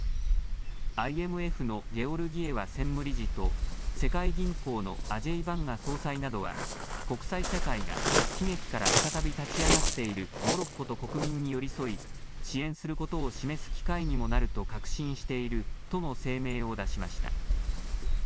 ＩＭＦのゲオルギエワ専務理事と世界銀行のアジェイ・バンガ総裁などは国際社会が悲劇から再び立ち上がっているモロッコと国民に寄り添い支援することを示す機会にもなると確信しているとの声明を出しました。